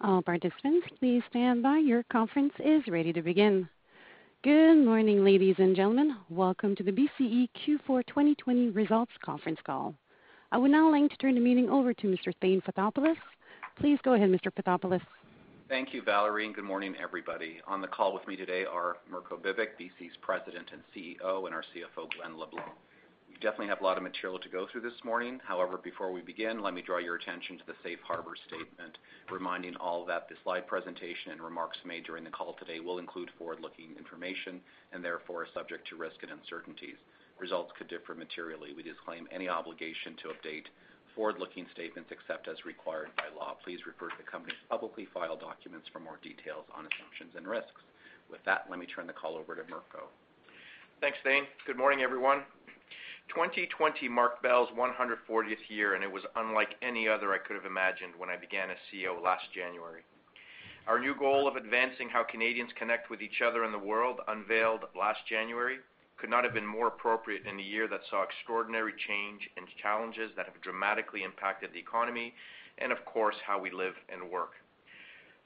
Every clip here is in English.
All participants, please stand by. Your conference is ready to begin. Good morning, ladies and gentlemen. Welcome to the BCE Q4 2020 results conference call. I would now like to turn the meeting over to Mr. Thane Fotopoulos. Please go ahead, Mr. Fotopoulos. Thank you, Valerie, and good morning, everybody. On the call with me today are Mirko Bibic, BCE's President and CEO, and our CFO, Glen LeBlanc. We definitely have a lot of material to go through this morning. However, before we begin, let me draw your attention to the Safe Harbor Statement, reminding all that the slide presentation and remarks made during the call today will include forward-looking information and therefore are subject to risk and uncertainties. Results could differ materially. We disclaim any obligation to update forward-looking statements except as required by law. Please refer to the company's publicly filed documents for more details on assumptions and risks. With that, let me turn the call over to Mirko. Thanks, Thane. Good morning, everyone. 2020 marked Bell's 140th year, and it was unlike any other I could have imagined when I began as CEO last January. Our new goal of advancing how Canadians connect with each other and the world unveiled last January. It could not have been more appropriate in a year that saw extraordinary change and challenges that have dramatically impacted the economy and, of course, how we live and work.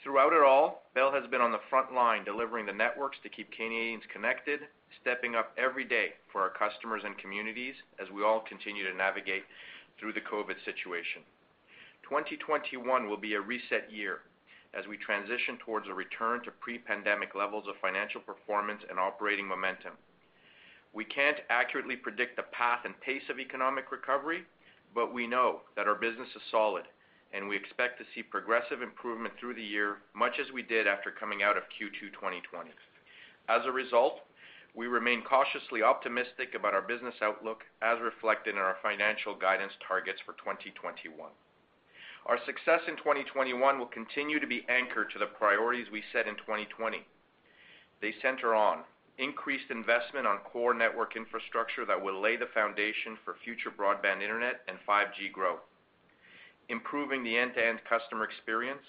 Throughout it all, Bell has been on the front line delivering the networks to keep Canadians connected, stepping up every day for our customers and communities as we all continue to navigate through the COVID situation. 2021 will be a reset year as we transition towards a return to pre-pandemic levels of financial performance and operating momentum. We can't accurately predict the path and pace of economic recovery, but we know that our business is solid, and we expect to see progressive improvement through the year, much as we did after coming out of Q2 2020. As a result, we remain cautiously optimistic about our business outlook, as reflected in our financial guidance targets for 2021. Our success in 2021 will continue to be anchored to the priorities we set in 2020. They center on increased investment on core network infrastructure that will lay the foundation for future broadband internet and 5G growth, improving the end-to-end customer experience,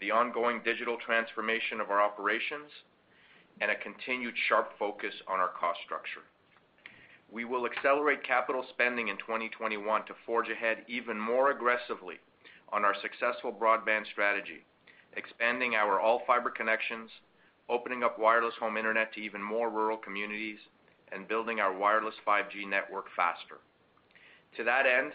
the ongoing digital transformation of our operations, and a continued sharp focus on our cost structure. We will accelerate capital spending in 2021 to forge ahead even more aggressively on our successful broadband strategy, expanding our all-fiber connections, opening up wireless home internet to even more rural communities, and building our wireless 5G network faster. To that end,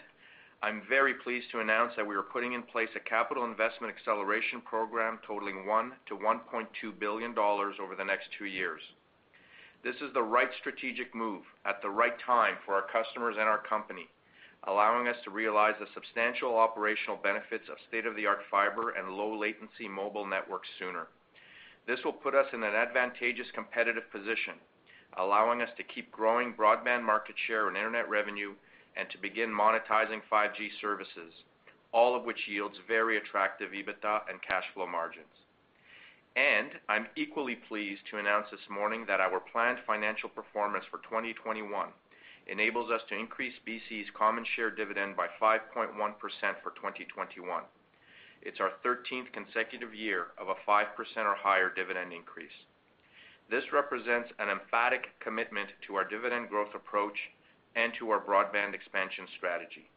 I'm very pleased to announce that we are putting in place a capital investment acceleration program totaling 1 billion-1.2 billion dollars over the next two years. This is the right strategic move at the right time for our customers and our company, allowing us to realize the substantial operational benefits of state-of-the-art fiber and low-latency mobile networks sooner. This will put us in an advantageous competitive position, allowing us to keep growing broadband market share and internet revenue and to begin monetizing 5G services, all of which yields very attractive EBITDA and cash flow margins. I'm equally pleased to announce this morning that our planned financial performance for 2021 enables us to increase BCE's common share dividend by 5.1% for 2021. It's our 13th consecutive year of a 5% or higher dividend increase. This represents an emphatic commitment to our dividend growth approach and to our broadband expansion strategy.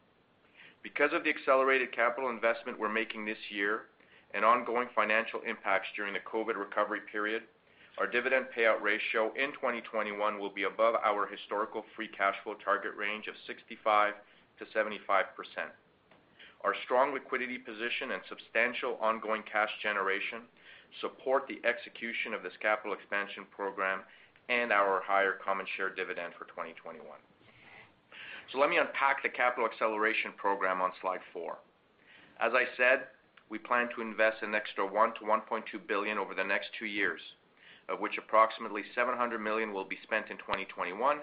Because of the accelerated capital investment we're making this year and ongoing financial impacts during the COVID recovery period, our dividend payout ratio in 2021 will be above our historical free cash flow target range of 65-75%. Our strong liquidity position and substantial ongoing cash generation support the execution of this capital expansion program and our higher common share dividend for 2021. Let me unpack the capital acceleration program on slide four. As I said, we plan to invest an extra 1 billion-1.2 billion over the next two years, of which approximately 700 million will be spent in 2021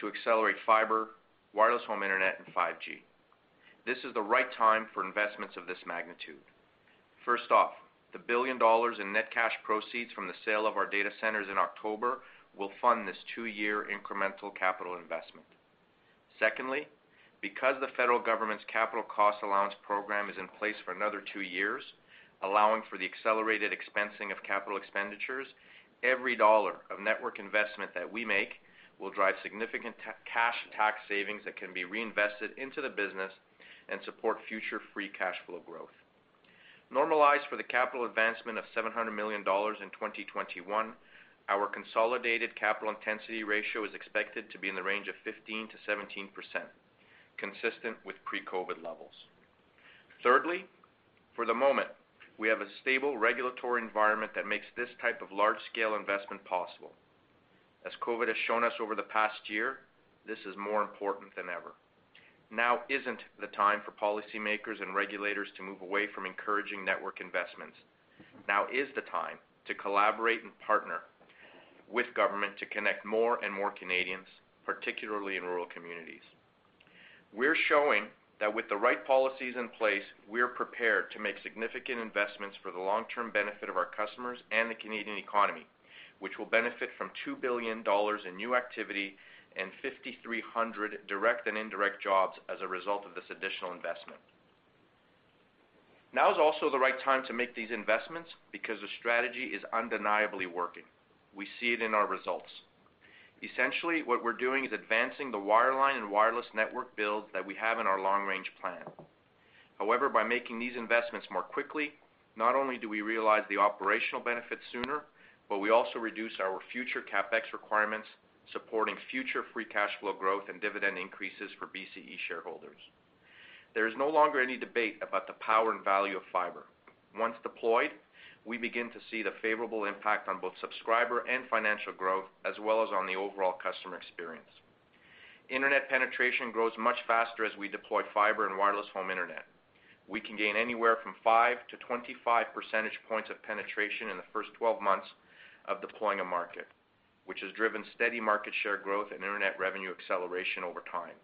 to accelerate fiber, wireless home internet, and 5G. This is the right time for investments of this magnitude. First off, the 1 billion dollars in net cash proceeds from the sale of our data centers in October will fund this two-year incremental capital investment. Secondly, because the federal government's capital cost allowance program is in place for another two years, allowing for the accelerated expensing of capital expenditures, every dollar of network investment that we make will drive significant cash tax savings that can be reinvested into the business and support future free cash flow growth. Normalized for the capital advancement of 700 million dollars in 2021, our consolidated capital intensity ratio is expected to be in the range of 15%-17%, consistent with pre-COVID levels. Thirdly, for the moment, we have a stable regulatory environment that makes this type of large-scale investment possible. As COVID has shown us over the past year, this is more important than ever. Now isn't the time for policymakers and regulators to move away from encouraging network investments. Now is the time to collaborate and partner with government to connect more and more Canadians, particularly in rural communities. We're showing that with the right policies in place, we're prepared to make significant investments for the long-term benefit of our customers and the Canadian economy, which will benefit from 2 billion dollars in new activity and 5,300 direct and indirect jobs as a result of this additional investment. Now is also the right time to make these investments because the strategy is undeniably working. We see it in our results. Essentially, what we're doing is advancing the wireline and wireless network builds that we have in our long-range plan. However, by making these investments more quickly, not only do we realize the operational benefits sooner, but we also reduce our future CapEx requirements, supporting future free cash flow growth and dividend increases for BCE shareholders. There is no longer any debate about the power and value of fiber. Once deployed, we begin to see the favorable impact on both subscriber and financial growth, as well as on the overall customer experience. Internet penetration grows much faster as we deploy fiber and wireless home internet. We can gain anywhere from 5-25 percentage points of penetration in the first 12 months of deploying a market, which has driven steady market share growth and internet revenue acceleration over time.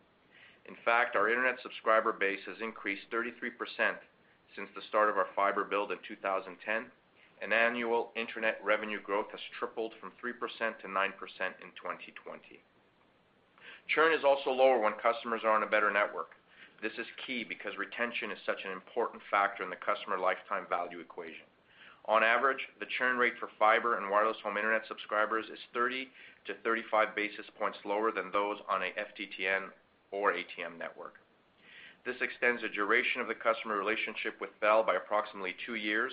In fact, our internet subscriber base has increased 33% since the start of our fiber build in 2010, and annual internet revenue growth has tripled from 3% to 9% in 2020. Churn is also lower when customers are on a better network. This is key because retention is such an important factor in the customer lifetime value equation. On average, the churn rate for fiber and wireless home internet subscribers is 30-35 basis points lower than those on an FTTN or ATM network. This extends the duration of the customer relationship with Bell by approximately two years,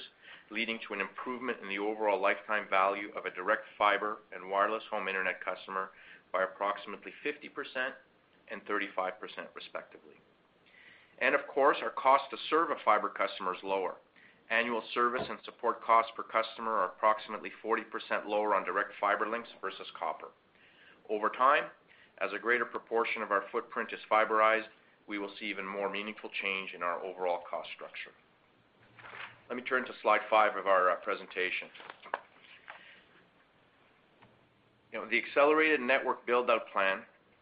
leading to an improvement in the overall lifetime value of a direct fiber and wireless home internet customer by approximately 50% and 35%, respectively. Of course, our cost to serve a fiber customer is lower. Annual service and support costs per customer are approximately 40% lower on direct fiber links versus copper. Over time, as a greater proportion of our footprint is fiberized, we will see even more meaningful change in our overall cost structure. Let me turn to slide five of our presentation. The accelerated network build-out plan,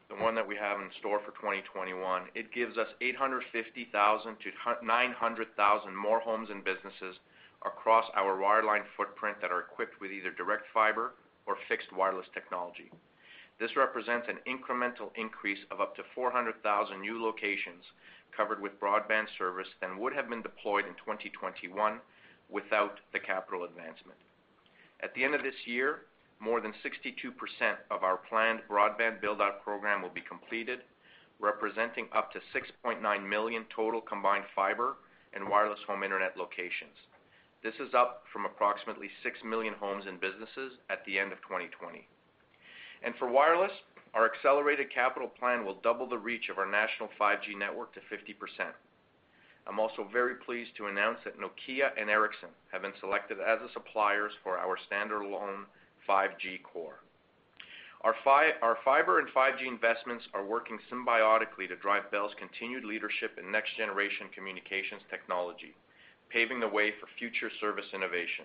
the one that we have in store for 2021, gives us 850,000-900,000 more homes and businesses across our wireline footprint that are equipped with either direct fiber or fixed wireless technology. This represents an incremental increase of up to 400,000 new locations covered with broadband service than would have been deployed in 2021 without the capital advancement. At the end of this year, more than 62% of our planned broadband build-out program will be completed, representing up to 6.9 million total combined fiber and wireless home internet locations. This is up from approximately 6 million homes and businesses at the end of 2020. For wireless, our accelerated capital plan will double the reach of our national 5G network to 50%. I'm also very pleased to announce that Nokia and Ericsson have been selected as the suppliers for our standalone 5G core. Our fiber and 5G investments are working symbiotically to drive Bell's continued leadership in next-generation communications technology, paving the way for future service innovation.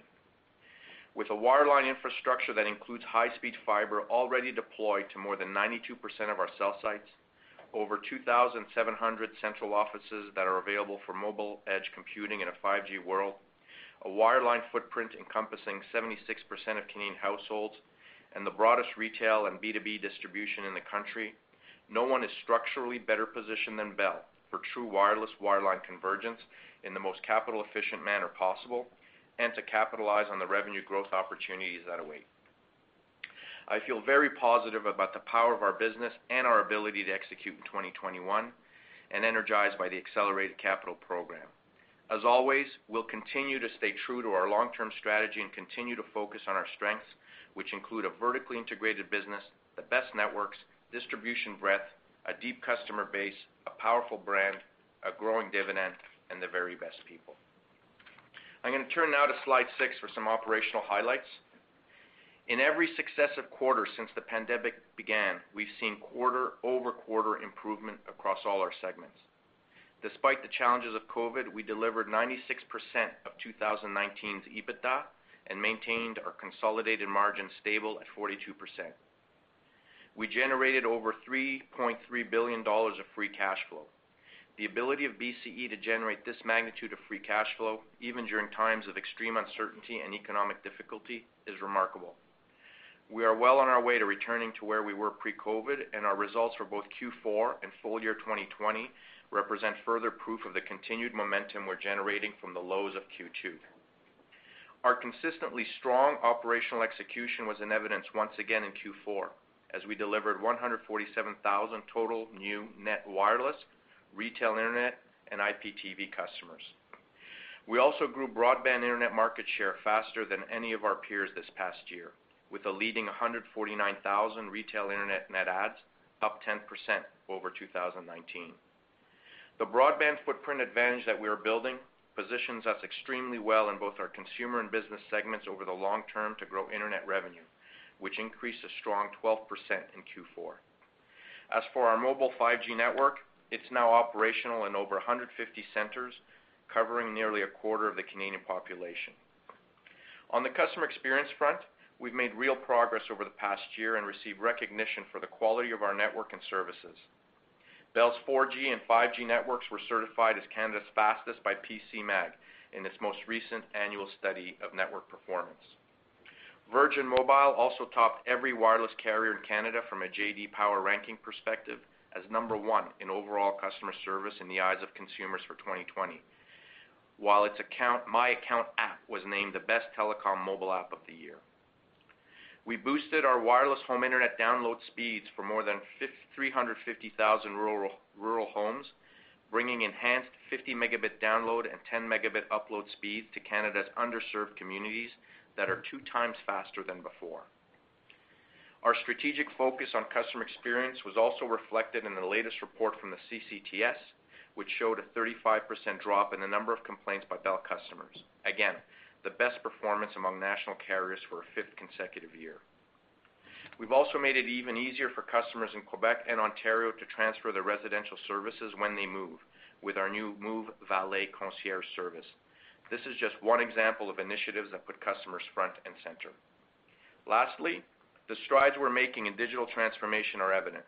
With a wireline infrastructure that includes high-speed fiber already deployed to more than 92% of our cell sites, over 2,700 central offices that are available for mobile edge computing in a 5G world, a wireline footprint encompassing 76% of Canadian households, and the broadest retail and B2B distribution in the country, no one is structurally better positioned than Bell for true wireless wireline convergence in the most capital-efficient manner possible and to capitalize on the revenue growth opportunities that await. I feel very positive about the power of our business and our ability to execute in 2021 and energized by the accelerated capital program. As always, we'll continue to stay true to our long-term strategy and continue to focus on our strengths, which include a vertically integrated business, the best networks, distribution breadth, a deep customer base, a powerful brand, a growing dividend, and the very best people. I'm going to turn now to slide six for some operational highlights. In every successive quarter since the pandemic began, we've seen quarter-over-quarter improvement across all our segments. Despite the challenges of COVID, we delivered 96% of 2019's EBITDA and maintained our consolidated margin stable at 42%. We generated over 3.3 billion dollars of free cash flow. The ability of BCE to generate this magnitude of free cash flow, even during times of extreme uncertainty and economic difficulty, is remarkable. We are well on our way to returning to where we were pre-COVID, and our results for both Q4 and full year 2020 represent further proof of the continued momentum we're generating from the lows of Q2. Our consistently strong operational execution was in evidence once again in Q4, as we delivered 147,000 total new net wireless, retail internet, and IPTV customers. We also grew broadband internet market share faster than any of our peers this past year, with a leading 149,000 retail internet net adds, up 10% over 2019. The broadband footprint advantage that we are building positions us extremely well in both our consumer and business segments over the long term to grow internet revenue, which increased a strong 12% in Q4. As for our mobile 5G network, it's now operational in over 150 centers, covering nearly a quarter of the Canadian population. On the customer experience front, we've made real progress over the past year and received recognition for the quality of our network and services. Bell's 4G and 5G networks were certified as Canada's fastest by PCMag in its most recent annual study of network performance. Virgin Mobile also topped every wireless carrier in Canada from a J.D. Power ranking perspective as number one in overall customer service in the eyes of consumers for 2020, while its My Account app was named the best telecom mobile app of the year. We boosted our wireless home internet download speeds for more than 350,000 rural homes, bringing enhanced 50 megabit download and 10 megabit upload speeds to Canada's underserved communities that are two times faster than before. Our strategic focus on customer experience was also reflected in the latest report from the CCTS, which showed a 35% drop in the number of complaints by Bell customers. Again, the best performance among national carriers for a fifth consecutive year. We have also made it even easier for customers in Quebec and Ontario to transfer their residential services when they move with our new Move Valet concierge service. This is just one example of initiatives that put customers front and center. Lastly, the strides we're making in digital transformation are evident.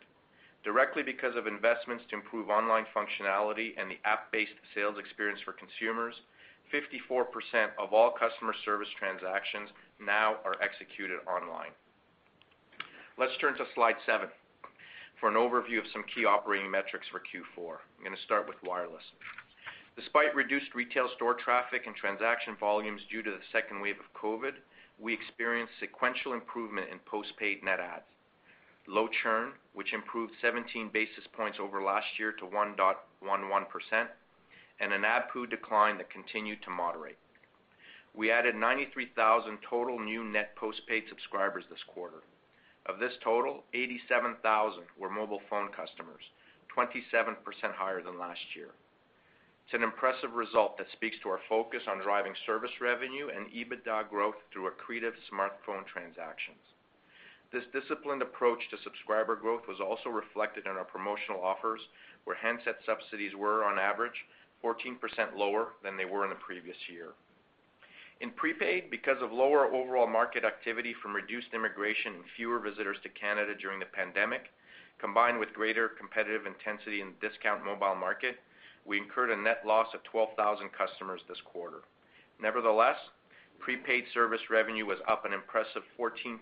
Directly because of investments to improve online functionality and the app-based sales experience for consumers, 54% of all customer service transactions now are executed online. Let's turn to slide seven for an overview of some key operating metrics for Q4. I'm going to start with wireless. Despite reduced retail store traffic and transaction volumes due to the second wave of COVID, we experienced sequential improvement in postpaid net adds, low churn, which improved 17 basis points over last year to 1.11%, and an ARPU decline that continued to moderate. We added 93,000 total new net postpaid subscribers this quarter. Of this total, 87,000 were mobile phone customers, 27% higher than last year. It's an impressive result that speaks to our focus on driving service revenue and EBITDA growth through accretive smartphone transactions. This disciplined approach to subscriber growth was also reflected in our promotional offers, where handset subsidies were, on average, 14% lower than they were in the previous year. In prepaid, because of lower overall market activity from reduced immigration and fewer visitors to Canada during the pandemic, combined with greater competitive intensity in the discount mobile market, we incurred a net loss of 12,000 customers this quarter. Nevertheless, prepaid service revenue was up an impressive 14%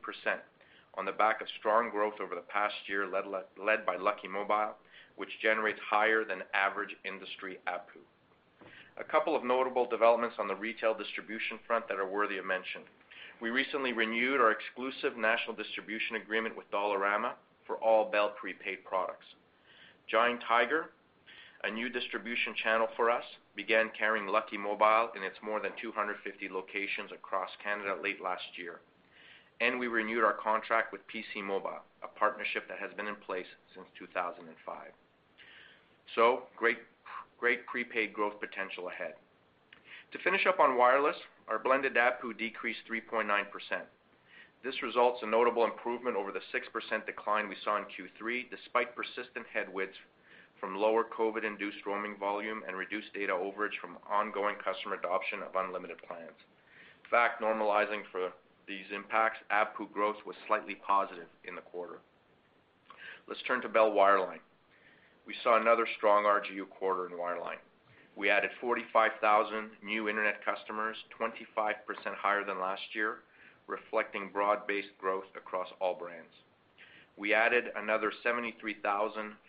on the back of strong growth over the past year led by Lucky Mobile, which generates higher than average industry ARPU. A couple of notable developments on the retail distribution front that are worthy of mention. We recently renewed our exclusive national distribution agreement with Dollarama for all Bell prepaid products. Giant Tiger, a new distribution channel for us, began carrying Lucky Mobile in its more than 250 locations across Canada late last year. We renewed our contract with PC Mobile, a partnership that has been in place since 2005. Great prepaid growth potential ahead. To finish up on wireless, our blended ARPU decreased 3.9%. This results in a notable improvement over the 6% decline we saw in Q3, despite persistent headwinds from lower COVID-induced roaming volume and reduced data overage from ongoing customer adoption of unlimited plans. In fact, normalizing for these impacts, ARPU growth was slightly positive in the quarter. Let's turn to Bell Wireline. We saw another strong RGU quarter in wireline. We added 45,000 new internet customers, 25% higher than last year, reflecting broad-based growth across all brands. We added another 73,000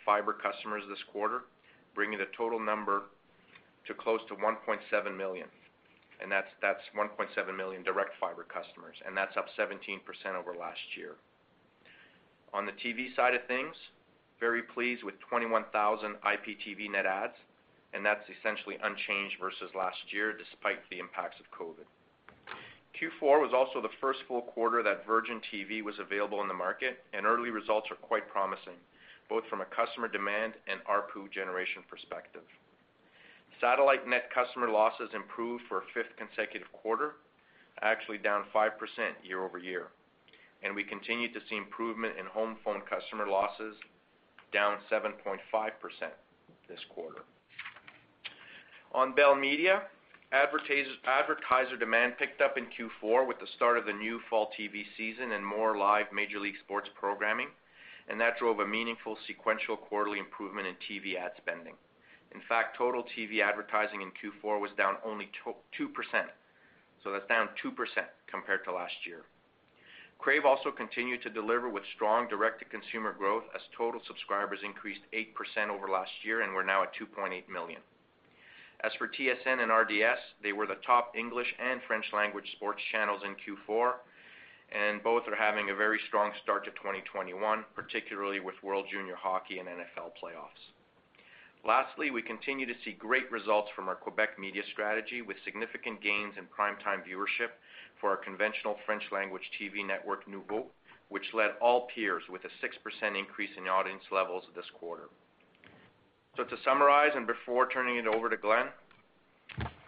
fiber customers this quarter, bringing the total number to close to 1.7 million. That is 1.7 million direct fiber customers, and that is up 17% over last year. On the TV side of things, very pleased with 21,000 IPTV net adds, and that is essentially unchanged versus last year, despite the impacts of COVID. Q4 was also the first full quarter that Virgin TV was available in the market, and early results are quite promising, both from a customer demand and ARPU generation perspective. Satellite net customer losses improved for a fifth consecutive quarter, actually down 5% year over year. We continue to see improvement in home phone customer losses, down 7.5% this quarter. On Bell Media, advertiser demand picked up in Q4 with the start of the new fall TV season and more live major league sports programming, and that drove a meaningful sequential quarterly improvement in TV ad spending. In fact, total TV advertising in Q4 was down only 2%. That is down 2% compared to last year. Crave also continued to deliver with strong direct-to-consumer growth as total subscribers increased 8% over last year and are now at 2.8 million. As for TSN and RDS, they were the top English and French language sports channels in Q4, and both are having a very strong start to 2021, particularly with World Junior Hockey and NFL playoffs. Lastly, we continue to see great results from our Quebec Media strategy with significant gains in prime-time viewership for our conventional French language TV network, Noovo, which led all peers with a 6% increase in audience levels this quarter. To summarize and before turning it over to Glen,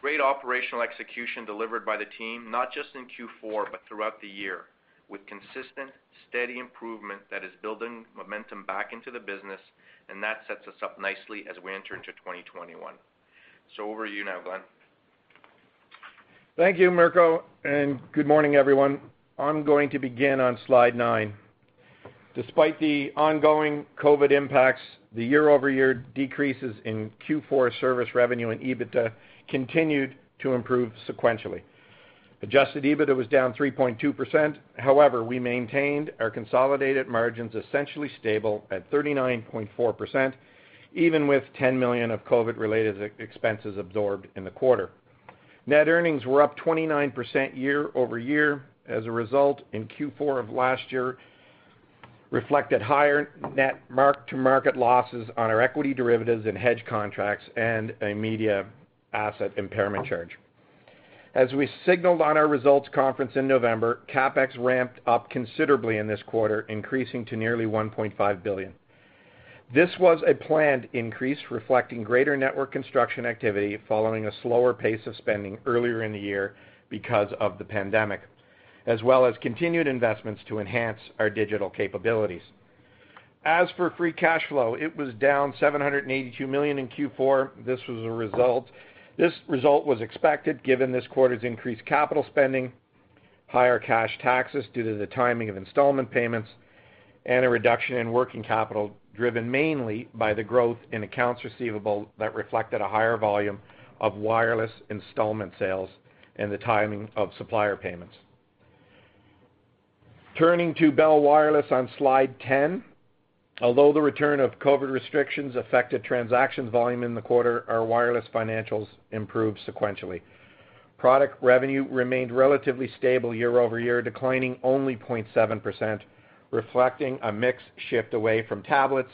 great operational execution delivered by the team, not just in Q4, but throughout the year, with consistent, steady improvement that is building momentum back into the business, and that sets us up nicely as we enter into 2021. Over to you now, Glen. Thank you, Mirko, and good morning, everyone. I'm going to begin on slide nine. Despite the ongoing COVID impacts, the year-over-year decreases in Q4 service revenue and EBITDA continued to improve sequentially. Adjusted EBITDA was down 3.2%. However, we maintained our consolidated margins essentially stable at 39.4%, even with 10 million of COVID-related expenses absorbed in the quarter. Net earnings were up 29% year over year. As a result, in Q4 of last year, reflected higher net mark-to-market losses on our equity derivatives and hedge contracts and a media asset impairment charge. As we signaled on our results conference in November, CapEx ramped up considerably in this quarter, increasing to nearly 1.5 billion. This was a planned increase, reflecting greater network construction activity following a slower pace of spending earlier in the year because of the pandemic, as well as continued investments to enhance our digital capabilities. As for free cash flow, it was down 782 million in Q4. This result was expected given this quarter's increased capital spending, higher cash taxes due to the timing of installment payments, and a reduction in working capital driven mainly by the growth in accounts receivable that reflected a higher volume of wireless installment sales and the timing of supplier payments. Turning to Bell Wireless on slide 10, although the return of COVID restrictions affected transactions volume in the quarter, our wireless financials improved sequentially. Product revenue remained relatively stable year over year, declining only 0.7%, reflecting a mix shift away from tablets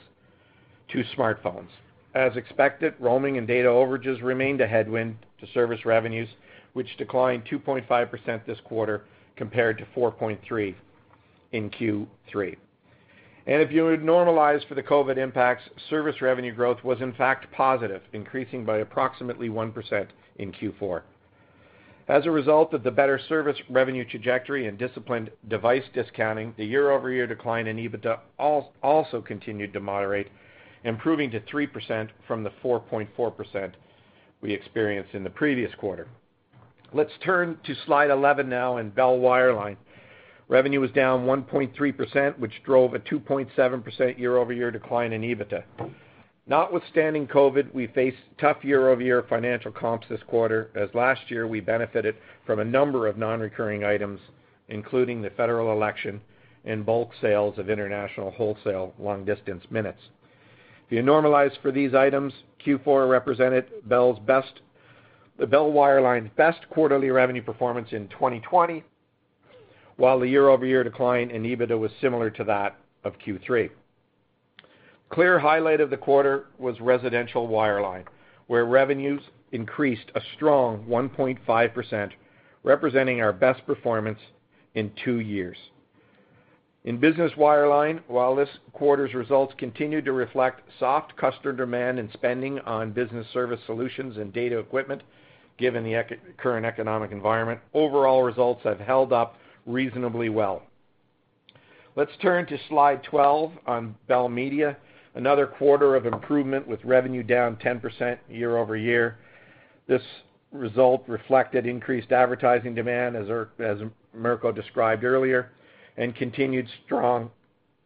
to smartphones. As expected, roaming and data overages remained a headwind to service revenues, which declined 2.5% this quarter compared to 4.3% in Q3. If you would normalize for the COVID impacts, service revenue growth was, in fact, positive, increasing by approximately 1% in Q4. As a result of the better service revenue trajectory and disciplined device discounting, the year-over-year decline in EBITDA also continued to moderate, improving to 3% from the 4.4% we experienced in the previous quarter. Let's turn to slide 11 now in Bell Wireline. Revenue was down 1.3%, which drove a 2.7% year-over-year decline in EBITDA. Notwithstanding COVID, we faced tough year-over-year financial comps this quarter, as last year we benefited from a number of non-recurring items, including the federal election and bulk sales of international wholesale long-distance minutes. If you normalize for these items, Q4 represented Bell's best quarterly revenue performance in 2020, while the year-over-year decline in EBITDA was similar to that of Q3. Clear highlight of the quarter was residential wireline, where revenues increased a strong 1.5%, representing our best performance in two years. In business wireline, while this quarter's results continued to reflect soft customer demand and spending on business service solutions and data equipment, given the current economic environment, overall results have held up reasonably well. Let's turn to slide 12 on Bell Media. Another quarter of improvement with revenue down 10% year over year. This result reflected increased advertising demand, as Mirko described earlier, and continued strong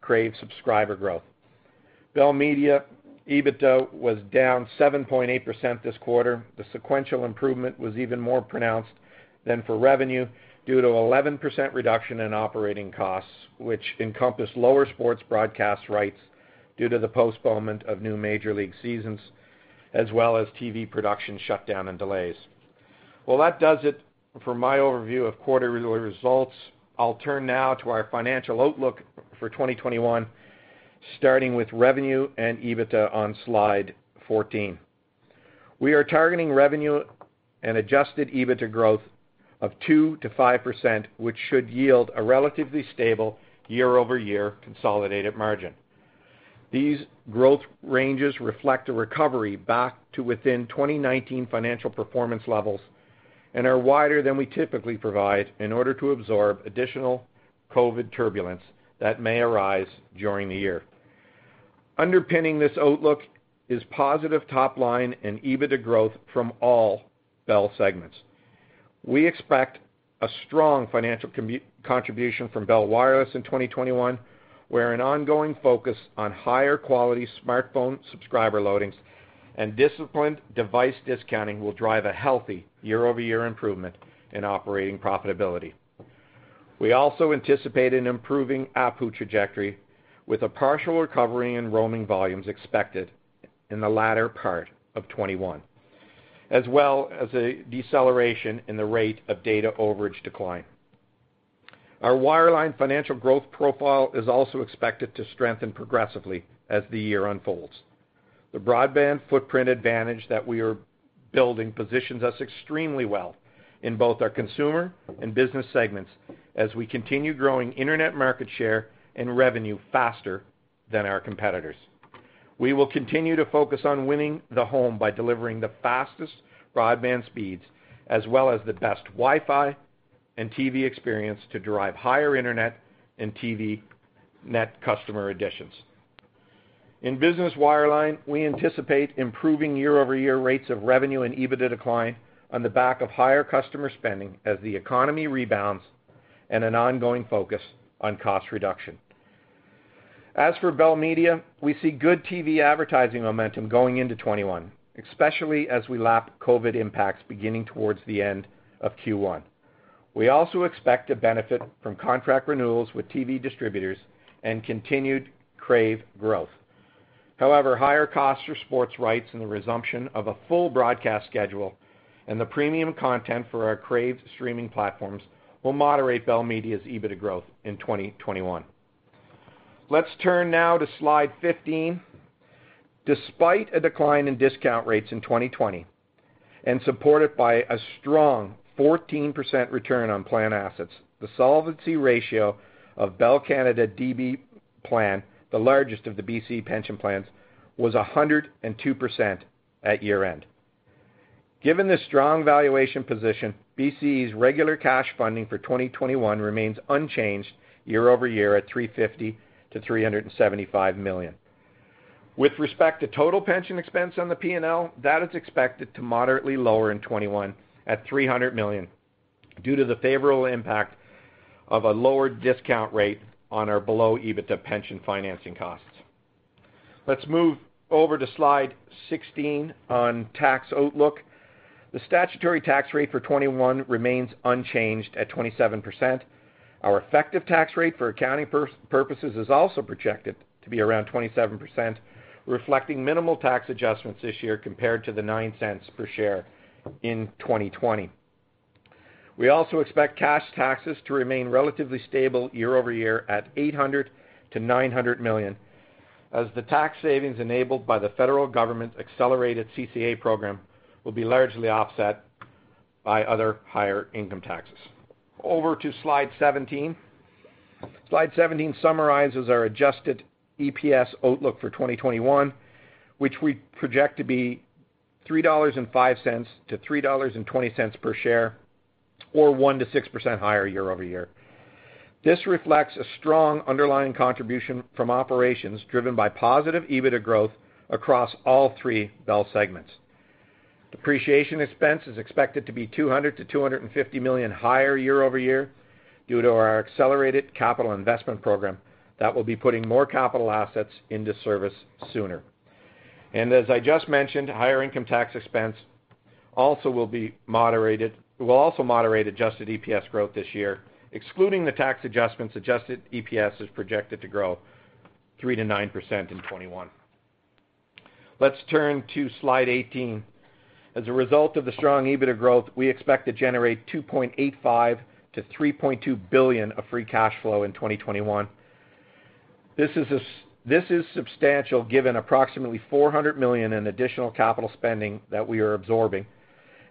Crave subscriber growth. Bell Media EBITDA was down 7.8% this quarter. The sequential improvement was even more pronounced than for revenue due to an 11% reduction in operating costs, which encompassed lower sports broadcast rights due to the postponement of new major league seasons, as well as TV production shutdown and delays. That does it for my overview of quarterly results. I'll turn now to our financial outlook for 2021, starting with revenue and EBITDA on slide 14. We are targeting revenue and adjusted EBITDA growth of 2%-5%, which should yield a relatively stable year-over-year consolidated margin. These growth ranges reflect a recovery back to within 2019 financial performance levels and are wider than we typically provide in order to absorb additional COVID turbulence that may arise during the year. Underpinning this outlook is positive top line and EBITDA growth from all Bell segments. We expect a strong financial contribution from Bell Wireless in 2021, where an ongoing focus on higher quality smartphone subscriber loadings and disciplined device discounting will drive a healthy year-over-year improvement in operating profitability. We also anticipate an improving ARPU trajectory with a partial recovery in roaming volumes expected in the latter part of 2021, as well as a deceleration in the rate of data overage decline. Our wireline financial growth profile is also expected to strengthen progressively as the year unfolds. The broadband footprint advantage that we are building positions us extremely well in both our consumer and business segments as we continue growing internet market share and revenue faster than our competitors. We will continue to focus on winning the home by delivering the fastest broadband speeds, as well as the best Wi-Fi and TV experience to drive higher internet and TV net customer additions. In business wireline, we anticipate improving year-over-year rates of revenue and EBITDA decline on the back of higher customer spending as the economy rebounds and an ongoing focus on cost reduction. As for Bell Media, we see good TV advertising momentum going into 2021, especially as we lap COVID impacts beginning towards the end of Q1. We also expect to benefit from contract renewals with TV distributors and continued Crave growth. However, higher costs for sports rights and the resumption of a full broadcast schedule and the premium content for our Crave streaming platforms will moderate Bell Media's EBITDA growth in 2021. Let's turn now to slide 15. Despite a decline in discount rates in 2020 and supported by a strong 14% return on plan assets, the solvency ratio of Bell Canada DB Plan, the largest of the BCE pension plans, was 102% at year-end. Given this strong valuation position, BCE's regular cash funding for 2021 remains unchanged year-over-year at 350 million-375 million. With respect to total pension expense on the P&L, that is expected to be moderately lower in 2021 at 300 million due to the favorable impact of a lower discount rate on our below EBITDA pension financing costs. Let's move over to slide 16 on tax outlook. The statutory tax rate for 2021 remains unchanged at 27%. Our effective tax rate for accounting purposes is also projected to be around 27%, reflecting minimal tax adjustments this year compared to $0.09 per share in 2020. We also expect cash taxes to remain relatively stable year-over-year at 800 million-900 million, as the tax savings enabled by the federal government's accelerated CCA program will be largely offset by other higher income taxes. Over to slide 17. Slide 17 summarizes our adjusted EPS outlook for 2021, which we project to be $3.05-$3.20 per share, or 1%-6% higher year-over-year. This reflects a strong underlying contribution from operations driven by positive EBITDA growth across all three Bell segments. Depreciation expense is expected to be $200 million-$250 million higher year-over-year due to our accelerated capital investment program that will be putting more capital assets into service sooner. As I just mentioned, higher income tax expense will also moderate adjusted EPS growth this year. Excluding the tax adjustments, adjusted EPS is projected to grow 3%-9% in 2021. Let's turn to slide 18. As a result of the strong EBITDA growth, we expect to generate 2.85 billion-3.2 billion of free cash flow in 2021. This is substantial given approximately 400 million in additional capital spending that we are absorbing,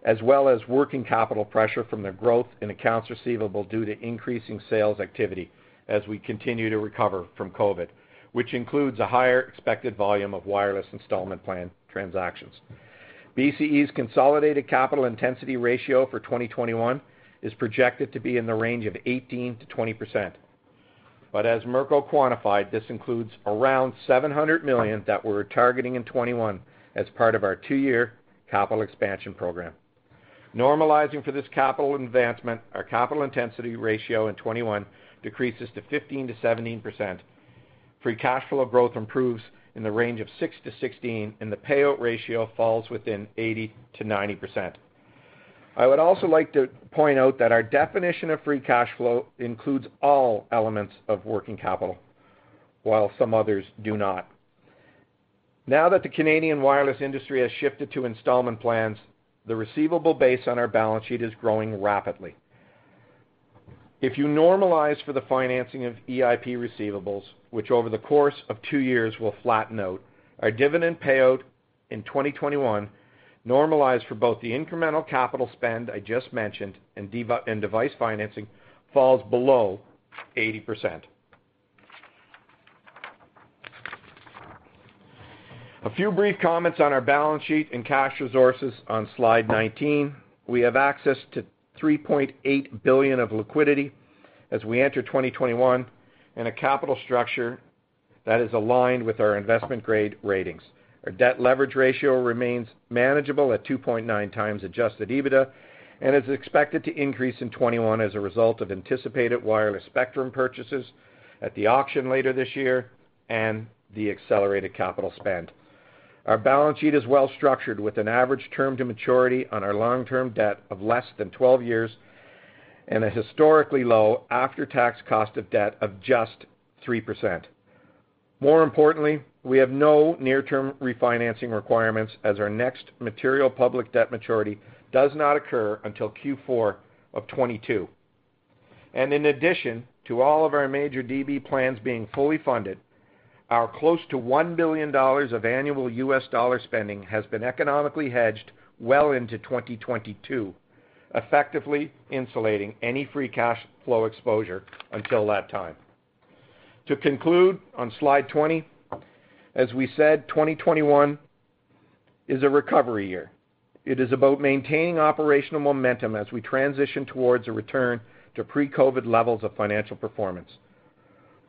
as well as working capital pressure from the growth in accounts receivable due to increasing sales activity as we continue to recover from COVID, which includes a higher expected volume of wireless installment plan transactions. BCE's consolidated capital intensity ratio for 2021 is projected to be in the range of 18%-20%. As Mirko quantified, this includes around 700 million that we were targeting in 2021 as part of our two-year capital expansion program. Normalizing for this capital advancement, our capital intensity ratio in 2021 decreases to 15%-17%. Free cash flow growth improves in the range of 6%-16%, and the payout ratio falls within 80%-90%. I would also like to point out that our definition of free cash flow includes all elements of working capital, while some others do not. Now that the Canadian wireless industry has shifted to installment plans, the receivable base on our balance sheet is growing rapidly. If you normalize for the financing of EIP receivables, which over the course of two years will flatten out, our dividend payout in 2021, normalized for both the incremental capital spend I just mentioned and device financing, falls below 80%. A few brief comments on our balance sheet and cash resources on slide 19. We have access to 3.8 billion of liquidity as we enter 2021 and a capital structure that is aligned with our investment-grade ratings. Our debt leverage ratio remains manageable at 2.9 times adjusted EBITDA and is expected to increase in 2021 as a result of anticipated wireless spectrum purchases at the auction later this year and the accelerated capital spend. Our balance sheet is well-structured with an average term to maturity on our long-term debt of less than 12 years and a historically low after-tax cost of debt of just 3%. More importantly, we have no near-term refinancing requirements as our next material public debt maturity does not occur until Q4 of 2022. In addition to all of our major DB plans being fully funded, our close to $1 billion of annual US dollar spending has been economically hedged well into 2022, effectively insulating any free cash flow exposure until that time. To conclude on slide 20, as we said, 2021 is a recovery year. It is about maintaining operational momentum as we transition towards a return to pre-COVID levels of financial performance.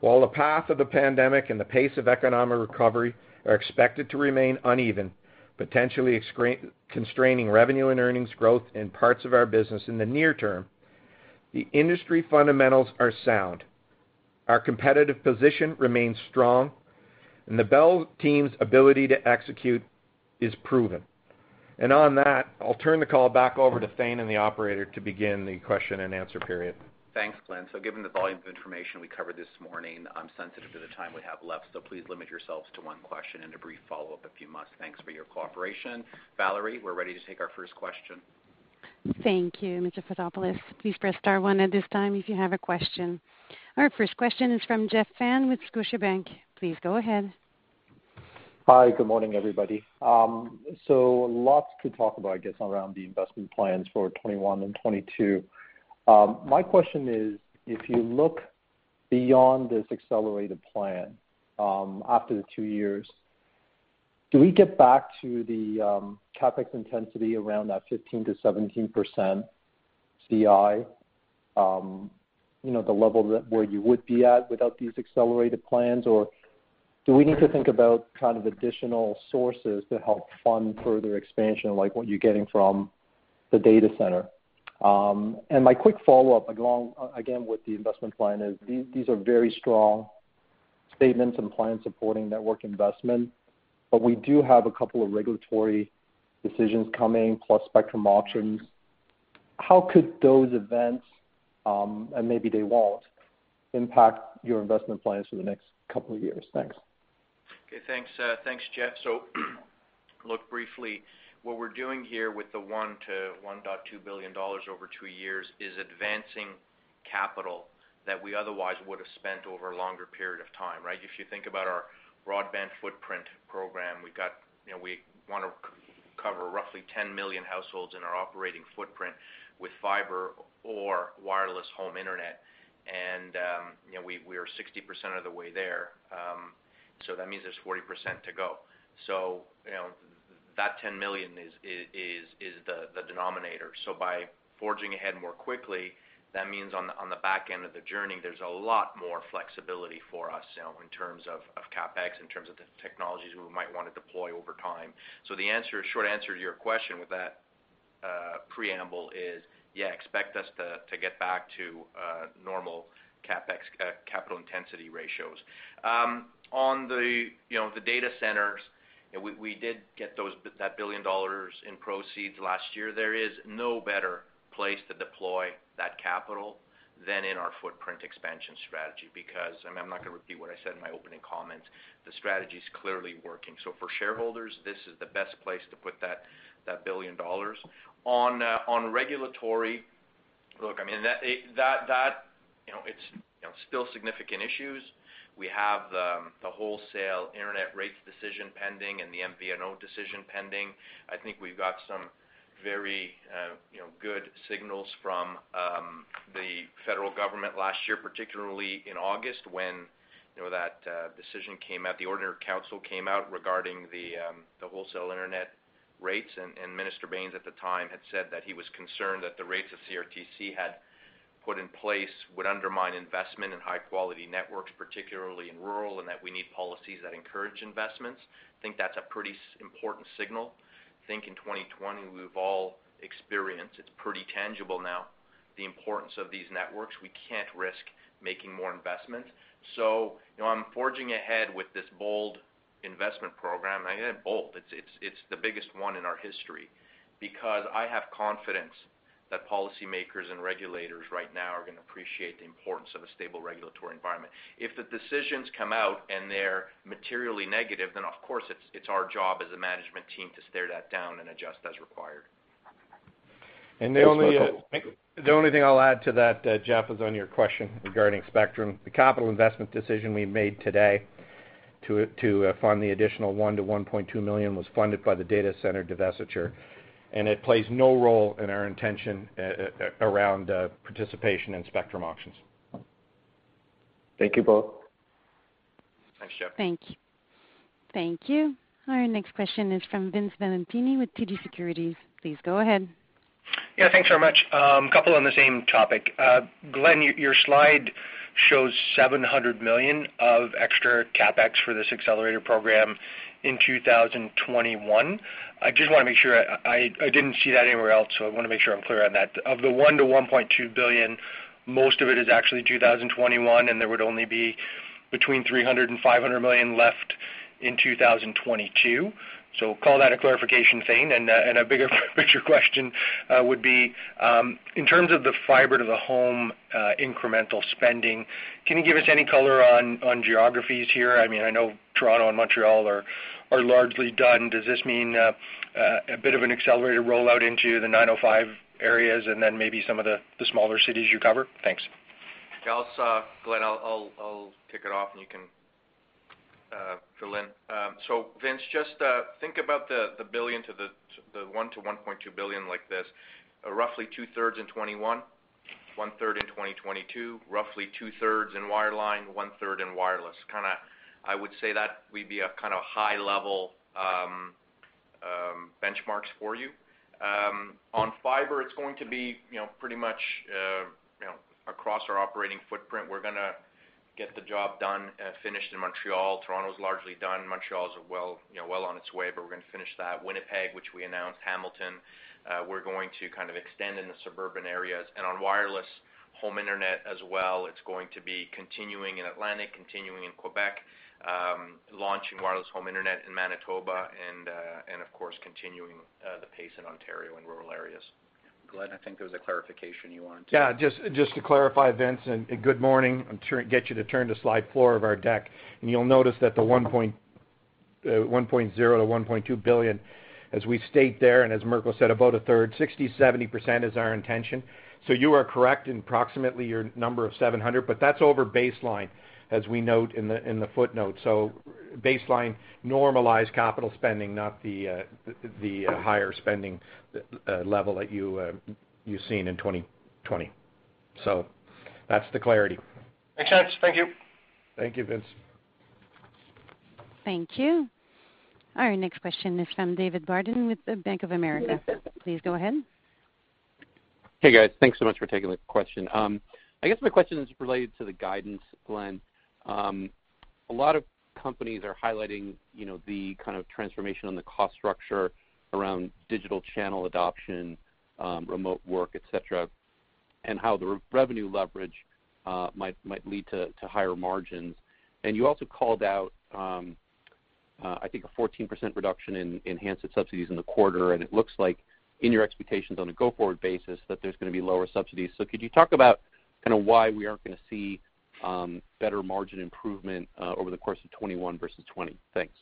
While the path of the pandemic and the pace of economic recovery are expected to remain uneven, potentially constraining revenue and earnings growth in parts of our business in the near term, the industry fundamentals are sound. Our competitive position remains strong, and the Bell team's ability to execute is proven. I'll turn the call back over to Thane and the operator to begin the question and answer period. Thanks, Glen. Given the volume of information we covered this morning, I'm sensitive to the time we have left, so please limit yourselves to one question and a brief follow-up if you must. Thanks for your cooperation. Valerie, we're ready to take our first question. Thank you, Mr. Fotopoulos. Please press star one at this time if you have a question. Our first question is from Jeff Fan with Scotiabank. Please go ahead. Hi, good morning, everybody. Lots to talk about, I guess, around the investment plans for 2021 and 2022. My question is, if you look beyond this accelerated plan after the two years, do we get back to the CapEx intensity around that 15-17% CI, the level where you would be at without these accelerated plans? Or do we need to think about kind of additional sources to help fund further expansion, like what you are getting from the data center? My quick follow-up, again with the investment plan, is these are very strong statements and plans supporting network investment, but we do have a couple of regulatory decisions coming, plus spectrum auctions. How could those events, and maybe they won't, impact your investment plans for the next couple of years? Thanks. Okay, thanks. Thanks, Jeff. Look, briefly, what we're doing here with the 1 billion-1.2 billion dollars over two years is advancing capital that we otherwise would have spent over a longer period of time, right? If you think about our broadband footprint program, we want to cover roughly 10 million households in our operating footprint with fiber or wireless home internet. We are 60% of the way there. That means there's 40% to go. That 10 million is the denominator. By forging ahead more quickly, that means on the back end of the journey, there's a lot more flexibility for us in terms of CapEx, in terms of the technologies we might want to deploy over time. The short answer to your question with that preamble is, yeah, expect us to get back to normal CapEx capital intensity ratios. On the data centers, we did get that $1 billion in proceeds last year. There is no better place to deploy that capital than in our footprint expansion strategy because, I mean, I'm not going to repeat what I said in my opening comments. The strategy is clearly working. For shareholders, this is the best place to put that $1 billion. On regulatory look, I mean, that it's still significant issues. We have the wholesale internet rates decision pending and the MVNO decision pending. I think we've got some very good signals from the federal government last year, particularly in August when that decision came out. The Order in Council came out regarding the wholesale internet rates, and Minister Baines at the time had said that he was concerned that the rates that CRTC had put in place would undermine investment in high-quality networks, particularly in rural, and that we need policies that encourage investments. I think that's a pretty important signal. I think in 2020, we've all experienced, it's pretty tangible now, the importance of these networks. We can't risk making more investments. I am forging ahead with this bold investment program. I say bold. It's the biggest one in our history because I have confidence that policymakers and regulators right now are going to appreciate the importance of a stable regulatory environment. If the decisions come out and they're materially negative, then of course, it's our job as a management team to stare that down and adjust as required. The only thing I'll add to that, Jeff, is on your question regarding spectrum. The capital investment decision we made today to fund the additional 1-1.2 million was funded by the data center divestiture, and it plays no role in our intention around participation in spectrum auctions. Thank you both. Thanks, Jeff. Thank you. Thank you. Our next question is from Vince Valentini with TD Securities. Please go ahead. Yeah, thanks very much. A couple on the same topic. Glen, your slide shows 700 million of extra CapEx for this accelerated program in 2021. I just want to make sure I didn't see that anywhere else, so I want to make sure I'm clear on that. Of the 1-1.2 billion, most of it is actually 2021, and there would only be between 300-500 million left in 2022. Call that a clarification, Thane. A bigger picture question would be, in terms of the fiber to the home incremental spending, can you give us any color on geographies here? I mean, I know Toronto and Montreal are largely done. Does this mean a bit of an accelerated rollout into the 905 areas and then maybe some of the smaller cities you cover? Thanks. I'll pick it off, and you can fill in. Vince, just think about the $1 billion to $1.2 billion like this. Roughly two-thirds in 2021, one-third in 2022, roughly two-thirds in wireline, one-third in wireless. I would say that would be a kind of high-level benchmarks for you. On fiber, it's going to be pretty much across our operating footprint. We're going to get the job done, finished in Montreal. Toronto is largely done. Montreal is well on its way, but we're going to finish that. Winnipeg, which we announced, Hamilton, we're going to kind of extend in the suburban areas. On wireless, home internet as well. It's going to be continuing in Atlantic Canada, continuing in Quebec, launching wireless home internet in Manitoba, and of course, continuing the pace in Ontario and rural areas. Glen, I think there was a clarification you wanted to. Yeah, just to clarify, Vince, and good morning. I'm sure it gets you to turn to slide four of our deck. You'll notice that the 1.0 billion-1.2 billion, as we state there, and as Mirko said, about a third, 60%-70% is our intention. You are correct in approximately your number of 700, but that's over baseline, as we note in the footnote. Baseline normalized capital spending, not the higher spending level that you've seen in 2020. That's the clarity. Makes sense. Thank you. Thank you, Vince. Thank you. Our next question is from David Barden with Bank of America. Please go ahead. Hey, guys. Thanks so much for taking the question. I guess my question is related to the guidance, Glen. A lot of companies are highlighting the kind of transformation on the cost structure around digital channel adoption, remote work, etc., and how the revenue leverage might lead to higher margins. You also called out, I think, a 14% reduction in enhanced subsidies in the quarter. It looks like, in your expectations on a go-forward basis, that there's going to be lower subsidies. Could you talk about kind of why we aren't going to see better margin improvement over the course of 2021 versus 2020? Thanks.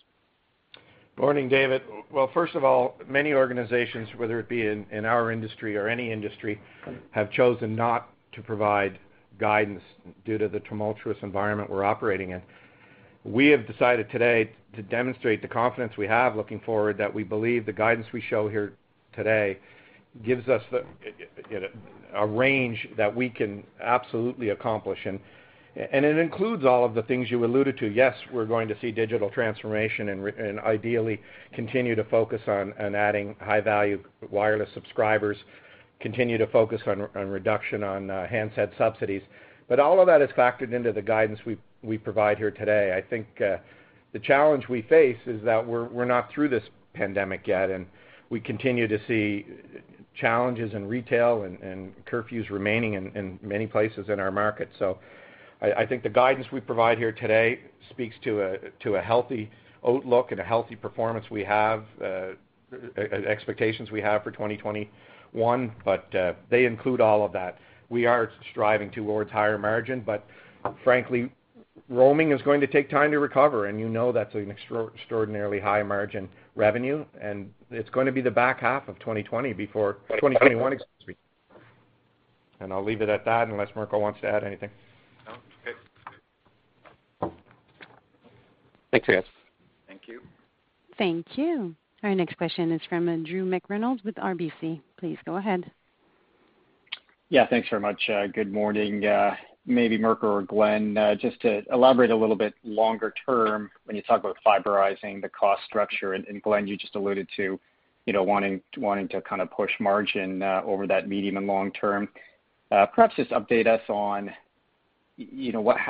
Morning, David. First of all, many organizations, whether it be in our industry or any industry, have chosen not to provide guidance due to the tumultuous environment we're operating in. We have decided today to demonstrate the confidence we have looking forward that we believe the guidance we show here today gives us a range that we can absolutely accomplish. It includes all of the things you alluded to. Yes, we're going to see digital transformation and ideally continue to focus on adding high-value wireless subscribers, continue to focus on reduction on handset subsidies. All of that is factored into the guidance we provide here today. I think the challenge we face is that we're not through this pandemic yet, and we continue to see challenges in retail and curfews remaining in many places in our market. I think the guidance we provide here today speaks to a healthy outlook and a healthy performance we have, expectations we have for 2021, but they include all of that. We are striving towards higher margin, but frankly, roaming is going to take time to recover, and you know that's an extraordinarily high margin revenue. It's going to be the back half of 2020 before 2021. I'll leave it at that unless Mirko wants to add anything. No. Okay. Thanks, guys. Thank you. Thank you. Our next question is from Drew McReynolds with RBC. Please go ahead. Yeah, thanks very much. Good morning. Maybe Mirko or Glen, just to elaborate a little bit longer term when you talk about fiberizing the cost structure. Glen, you just alluded to wanting to kind of push margin over that medium and long term. Perhaps just update us on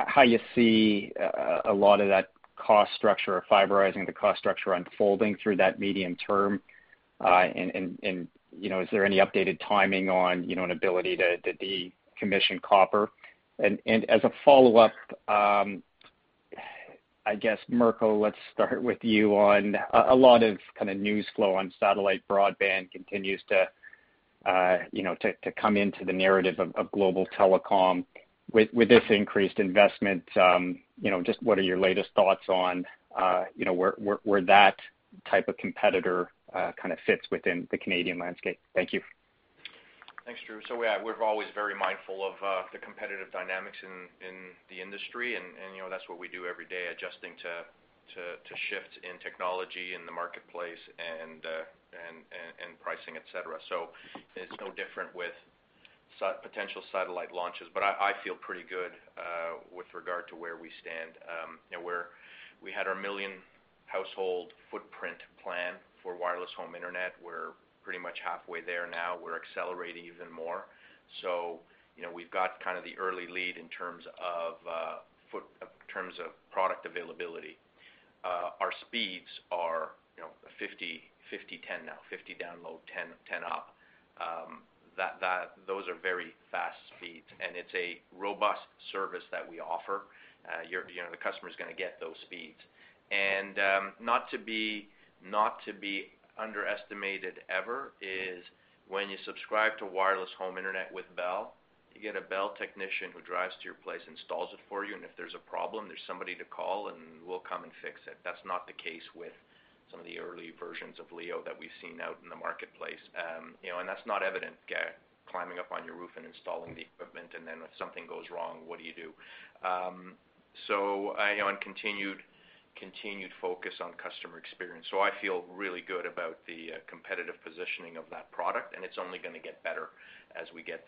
how you see a lot of that cost structure or fiberizing, the cost structure unfolding through that medium term. Is there any updated timing on an ability to decommission copper? As a follow-up, I guess, Mirko, let's start with you on a lot of kind of news flow on satellite broadband continues to come into the narrative of global telecom. With this increased investment, just what are your latest thoughts on where that type of competitor kind of fits within the Canadian landscape? Thank you. Thanks, Drew. We are always very mindful of the competitive dynamics in the industry, and that's what we do every day, adjusting to shifts in technology in the marketplace and pricing, etc. It is no different with potential satellite launches. I feel pretty good with regard to where we stand. We had our million-household footprint plan for wireless home internet. We're pretty much halfway there now. We're accelerating even more. We've got kind of the early lead in terms of product availability. Our speeds are 50, 10 now, 50 download, 10 up. Those are very fast speeds. It is a robust service that we offer. The customer is going to get those speeds. Not to be underestimated ever is when you subscribe to wireless home internet with Bell, you get a Bell technician who drives to your place, installs it for you, and if there's a problem, there's somebody to call, and we'll come and fix it. That's not the case with some of the early versions of LEO that we've seen out in the marketplace. That is not evident, climbing up on your roof and installing the equipment, and then if something goes wrong, what do you do? Continued focus on customer experience. I feel really good about the competitive positioning of that product, and it is only going to get better as we get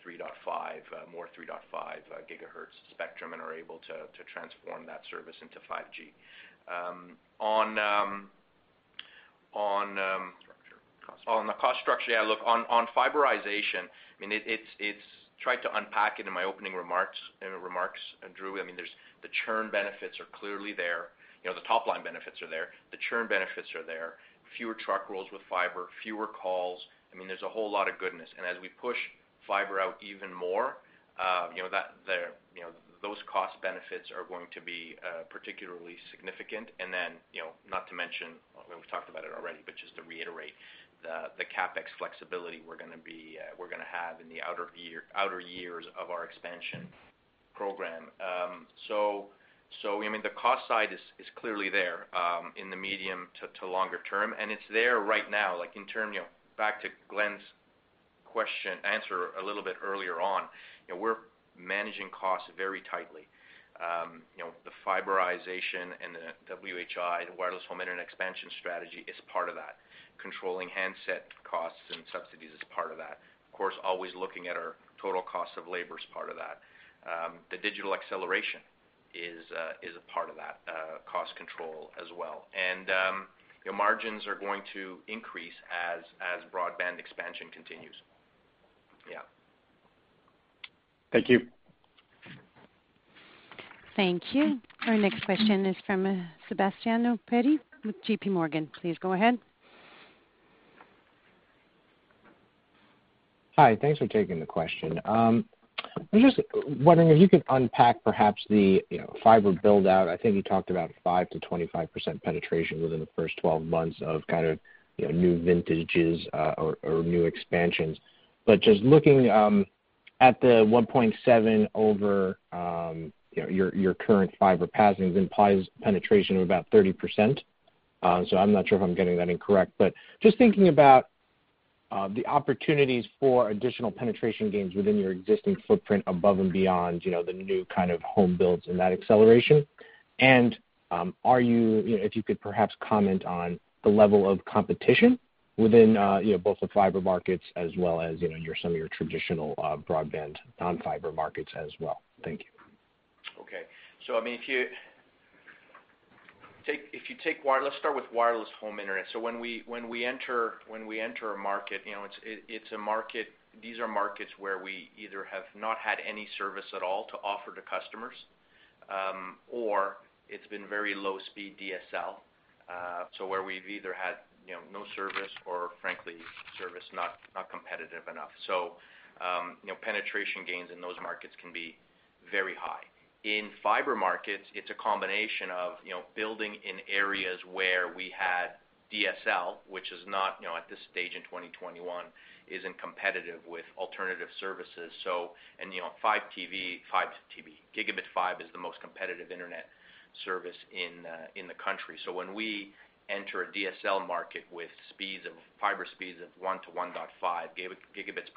more 3.5 GHz spectrum and are able to transform that service into 5G. On the cost structure, yeah, look, on fiberization, I mean, I tried to unpack it in my opening remarks, Drew. The churn benefits are clearly there. The top-line benefits are there. The churn benefits are there. Fewer truck rolls with fiber, fewer calls. There is a whole lot of goodness. As we push fiber out even more, those cost benefits are going to be particularly significant. Not to mention, we've talked about it already, but just to reiterate, the CapEx flexibility we're going to have in the outer years of our expansion program. I mean, the cost side is clearly there in the medium to longer term, and it's there right now. In terms of back to Glen's answer a little bit earlier on, we're managing costs very tightly. The fiberization and the Wireless Home Internet expansion strategy is part of that. Controlling handset costs and subsidies is part of that. Of course, always looking at our total cost of labor is part of that. The digital acceleration is a part of that cost control as well. Margins are going to increase as broadband expansion continues. Yeah. Thank you. Thank you. Our next question is from Sebastiano Petti with J.P. Morgan. Please go ahead. Hi. Thanks for taking the question. I'm just wondering if you could unpack perhaps the fiber buildout. I think you talked about 5%-25% penetration within the first 12 months of kind of new vintages or new expansions. Just looking at the 1.7 over your current fiber passing implies penetration of about 30%. I'm not sure if I'm getting that incorrect. Just thinking about the opportunities for additional penetration gains within your existing footprint above and beyond the new kind of home builds and that acceleration. If you could perhaps comment on the level of competition within both the fiber markets as well as some of your traditional broadband non-fiber markets as well. Thank you. Okay. I mean, if you take wireless, let's start with wireless home internet. When we enter a market, it's a market where we either have not had any service at all to offer to customers or it's been very low-speed DSL. Where we've either had no service or, frankly, service not competitive enough, penetration gains in those markets can be very high. In fiber markets, it's a combination of building in areas where we had DSL, which is not at this stage in 2021 competitive with alternative services. So, and you know, 5 Gb, Gigabit Fibe is the most competitive internet service in the country. When we enter a DSL market with fiber speeds of 1-1.5 Gbps,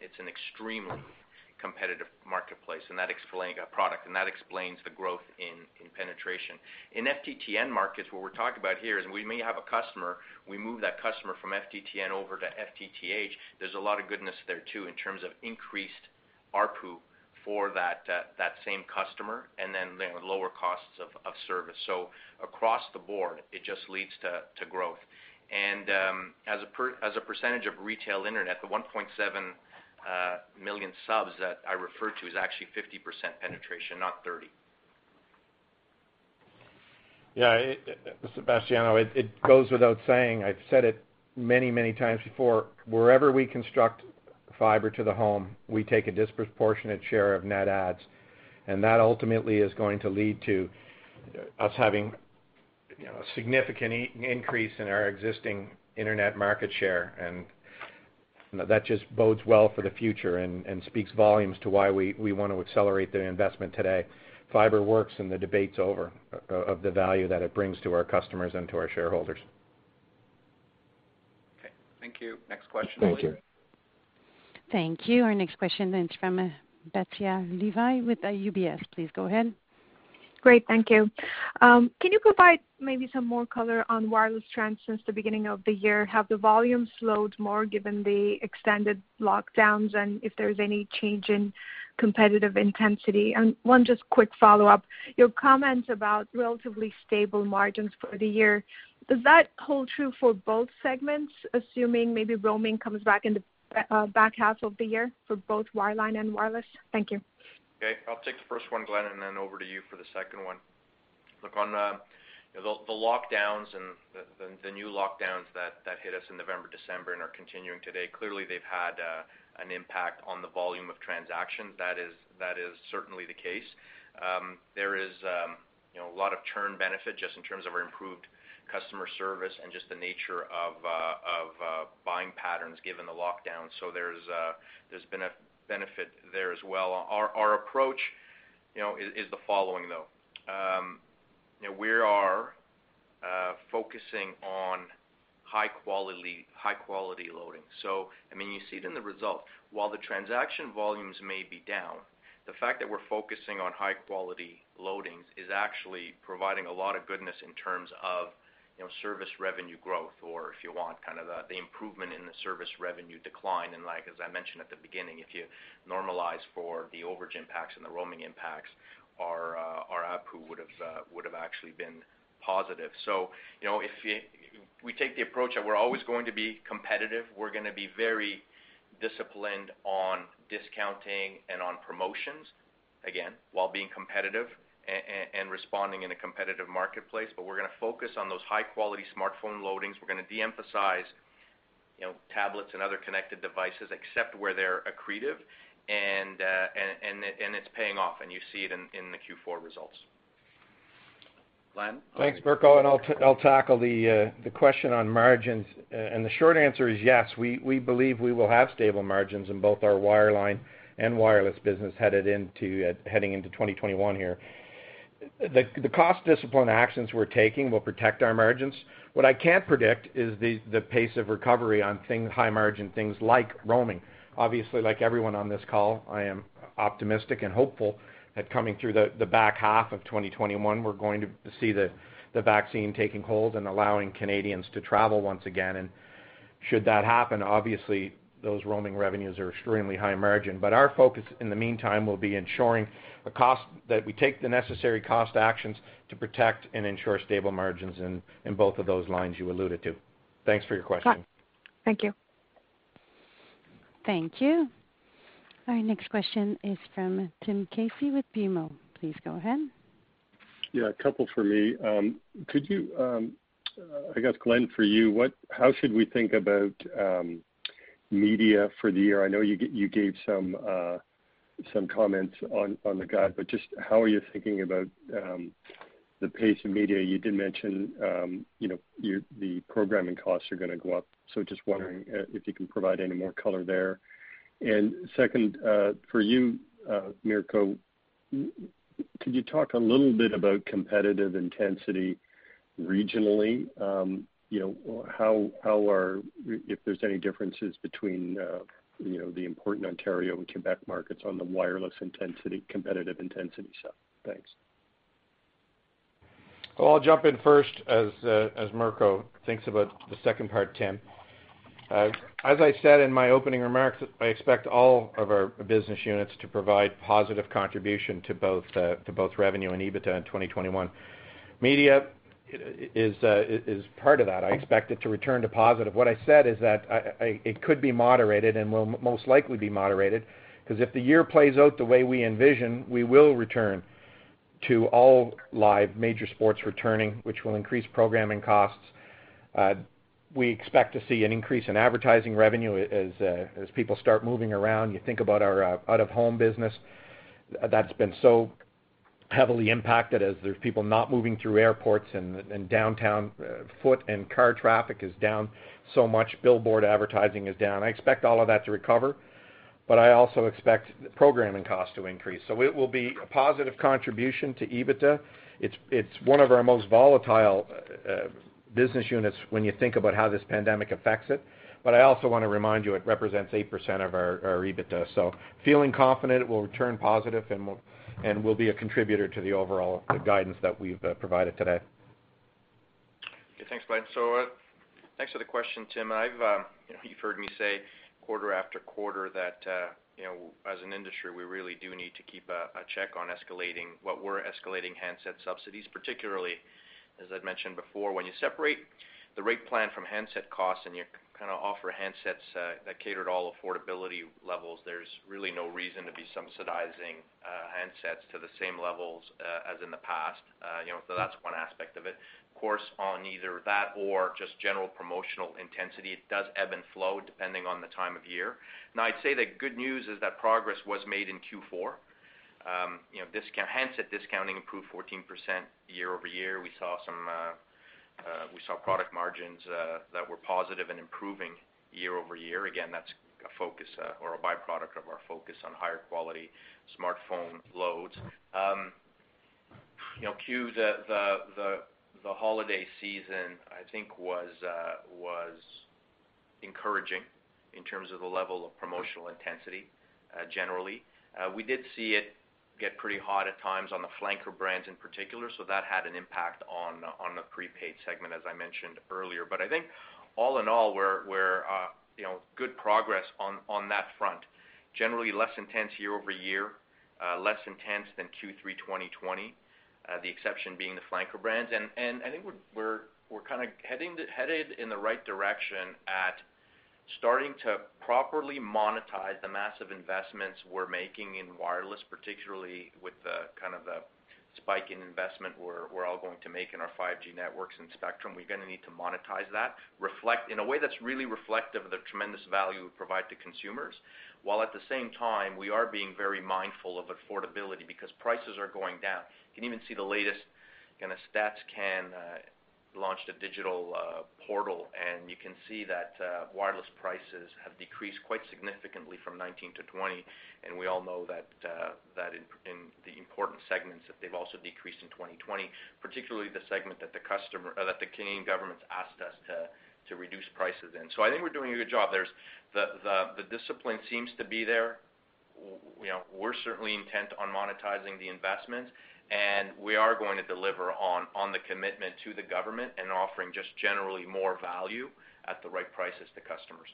it's an extremely competitive marketplace. That explains our product, and that explains the growth in penetration. In FTTN markets, what we're talking about here is we may have a customer, we move that customer from FTTN over to FTTH. There's a lot of goodness there too in terms of increased ARPU for that same customer and then lower costs of service. Across the board, it just leads to growth. As a percentage of retail internet, the 1.7 million subs that I refer to is actually 50% penetration, not 30%. Yeah. Sebastiano, it goes without saying. I've said it many, many times before. Wherever we construct fiber to the home, we take a disproportionate share of net adds. That ultimately is going to lead to us having a significant increase in our existing internet market share. That just bodes well for the future and speaks volumes to why we want to accelerate the investment today. Fiber works and the debate's over of the value that it brings to our customers and to our shareholders. Okay. Thank you. Next question, please. Thank you. Thank you. Our next question is from Batya Levi with UBS. Please go ahead. Great. Thank you. Can you provide maybe some more color on wireless trends since the beginning of the year? Have the volumes slowed more given the extended lockdowns and if there's any change in competitive intensity? And one just quick follow-up. Your comments about relatively stable margins for the year, does that hold true for both segments, assuming maybe roaming comes back in the back half of the year for both wireline and wireless? Thank you. Okay. I'll take the first one, Glen, and then over to you for the second one. Look, on the lockdowns and the new lockdowns that hit us in November, December, and are continuing today, clearly they've had an impact on the volume of transactions. That is certainly the case. There is a lot of churn benefit just in terms of our improved customer service and just the nature of buying patterns given the lockdown. There has been a benefit there as well. Our approach is the following, though. We are focusing on high-quality loading. I mean, you see it in the results. While the transaction volumes may be down, the fact that we're focusing on high-quality loadings is actually providing a lot of goodness in terms of service revenue growth or, if you want, kind of the improvement in the service revenue decline. As I mentioned at the beginning, if you normalize for the overage impacts and the roaming impacts, our ARPU would have actually been positive. If we take the approach that we're always going to be competitive, we're going to be very disciplined on discounting and on promotions, again, while being competitive and responding in a competitive marketplace. We're going to focus on those high-quality smartphone loadings. We're going to de-emphasize tablets and other connected devices except where they're accretive. It's paying off, and you see it in the Q4 results. Glen? Thanks, Mirko. I'll tackle the question on margins. The short answer is yes. We believe we will have stable margins in both our wireline and wireless business heading into 2021 here. The cost-discipline actions we're taking will protect our margins. What I can't predict is the pace of recovery on high-margin things like roaming. Obviously, like everyone on this call, I am optimistic and hopeful that coming through the back half of 2021, we're going to see the vaccine taking hold and allowing Canadians to travel once again. Should that happen, obviously, those roaming revenues are extremely high margin. Our focus in the meantime will be ensuring that we take the necessary cost actions to protect and ensure stable margins in both of those lines you alluded to. Thanks for your question. Thank you. Thank you. Our next question is from Tim Casey with BMO. Please go ahead. Yeah. A couple for me. I guess, Glen, for you, how should we think about media for the year? I know you gave some comments on the guide, but just how are you thinking about the pace of media? You did mention the programming costs are going to go up. Just wondering if you can provide any more color there. Second, for you, Mirko, could you talk a little bit about competitive intensity regionally? How are, if there are any differences between the important Ontario and Quebec markets on the wireless competitive intensity stuff? Thanks. I will jump in first as Mirko thinks about the second part, Tim. As I said in my opening remarks, I expect all of our business units to provide positive contribution to both revenue and EBITDA in 2021. Media is part of that. I expect it to return to positive. What I said is that it could be moderated and will most likely be moderated because if the year plays out the way we envision, we will return to all live major sports returning, which will increase programming costs. We expect to see an increase in advertising revenue as people start moving around. You think about our out-of-home business. That's been so heavily impacted as there's people not moving through airports and downtown foot and car traffic is down so much. Billboard advertising is down. I expect all of that to recover, I also expect programming costs to increase. It will be a positive contribution to EBITDA. It's one of our most volatile business units when you think about how this pandemic affects it. I also want to remind you it represents 8% of our EBITDA. Feeling confident it will return positive and will be a contributor to the overall guidance that we've provided today. Okay. Thanks, Glen. Thanks for the question, Tim. You've heard me say quarter after quarter that as an industry, we really do need to keep a check on what we're escalating handset subsidies, particularly, as I've mentioned before, when you separate the rate plan from handset costs and you kind of offer handsets that cater to all affordability levels, there's really no reason to be subsidizing handsets to the same levels as in the past. That's one aspect of it. Of course, on either that or just general promotional intensity, it does ebb and flow depending on the time of year. I'd say the good news is that progress was made in Q4. Handset discounting improved 14% year over year. We saw product margins that were positive and improving year over year. Again, that's a focus or a byproduct of our focus on higher quality smartphone loads. Queue, the holiday season, I think, was encouraging in terms of the level of promotional intensity generally. We did see it get pretty hot at times on the Flanker brands in particular, so that had an impact on the prepaid segment, as I mentioned earlier. I think all in all, we're good progress on that front. Generally, less intense year over year, less intense than Q3 2020, the exception being the flanker brands. I think we're kind of headed in the right direction at starting to properly monetize the massive investments we're making in wireless, particularly with the kind of spike in investment we're all going to make in our 5G networks and spectrum. We're going to need to monetize that in a way that's really reflective of the tremendous value we provide to consumers. While at the same time, we are being very mindful of affordability because prices are going down. You can even see the latest kind of StatCan launched a digital portal, and you can see that wireless prices have decreased quite significantly from 2019 to 2020. We all know that in the important segments that they've also decreased in 2020, particularly the segment that the Canadian government's asked us to reduce prices in. I think we're doing a good job. The discipline seems to be there. We're certainly intent on monetizing the investments, and we are going to deliver on the commitment to the government and offering just generally more value at the right prices to customers.